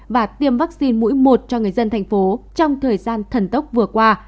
và tiêm vaccine mũi một cho người dân thành phố trong thời gian thần tốc vừa qua